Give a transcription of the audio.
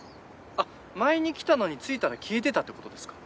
あっ前に来たのに着いたら消えてたってことですか？